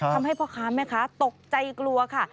ทำให้พ่อค้าแม่ค้าตกใจกลัวค่ะ